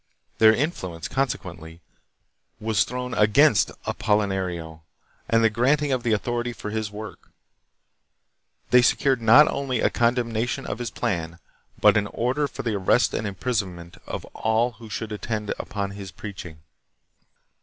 Their influence, consequently, was thrown against Apolinario, and the granting of the authority for his work. They secured not only a condemnation of his plan, but an order for the arrest and imprisonment of all who should attend upon his preaching.